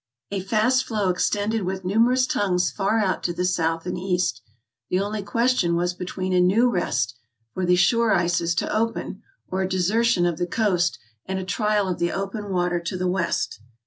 A fast floe extended with numerous tongues far out to the south and east. The only question was between a new rest, for the shore ices to open, or a desertion of the coast and a trial of the open water to the west.